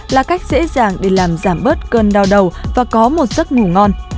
là cách dễ dàng để làm giảm bớt cơn đau đầu và có một giấc ngủ ngon